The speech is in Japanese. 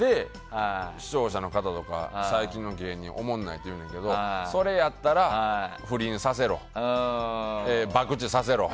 視聴者の方とか最近の芸人がおもんないって言うんやけどそれやったら不倫させろ博打させろ